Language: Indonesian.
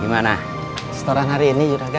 gimana setoran hari ini juga